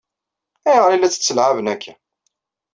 Ayɣer i la tt-ttelɛaben akka?